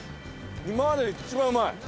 今までで一番うまい。